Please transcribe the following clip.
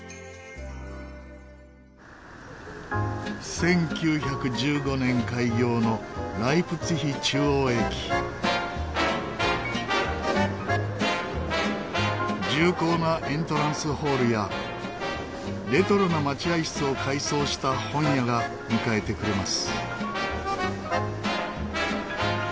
１９１５年開業の重厚なエントランスホールやレトロな待合室を改装した本屋が迎えてくれます。